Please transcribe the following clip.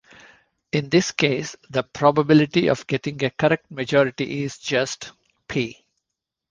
In this case the probability of getting a correct majority is just "p".